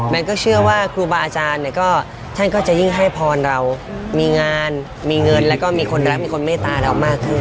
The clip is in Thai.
ก็เชื่อว่าครูบาอาจารย์เนี่ยก็ท่านก็จะยิ่งให้พรเรามีงานมีเงินแล้วก็มีคนรักมีคนเมตตาเรามากขึ้น